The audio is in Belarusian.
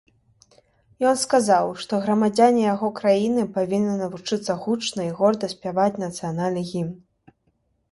Ён сказаў, што грамадзяне яго краіны павінны навучыцца гучна і горда спяваць нацыянальны гімн.